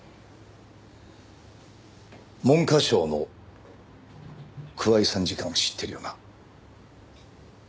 文科省の桑井参事官を知ってるよな。